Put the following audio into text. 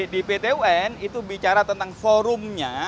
di pt un itu bicara tentang forumnya